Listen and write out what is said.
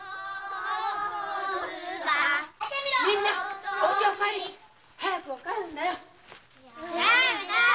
みんなお家へお帰り早く帰るんだよ。